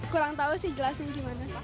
kurang tahu sih jelasnya gimana